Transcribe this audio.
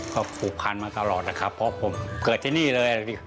ก็ผูกพันมาตลอดนะครับเพราะผมเกิดที่นี่เลย